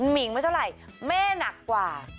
มิ่งไม่เท่าไหร่แม่หนักกว่า